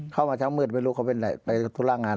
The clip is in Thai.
เข้ามาทั้งมืดไม่รู้เขาเป็นไหนไปธุระงาน